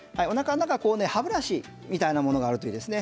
歯ブラシみたいなものがあるといいですね。